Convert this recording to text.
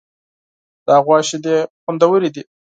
د غوا شیدې خوندورې دي.